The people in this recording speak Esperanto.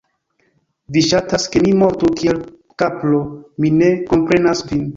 Vi ŝatas ke mi mortu kiel kapro, mi ne komprenas vin